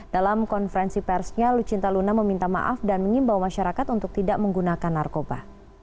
dalam konferensi persnya lucinta luna meminta maaf dan mengimbau masyarakat untuk tidak menggunakan narkoba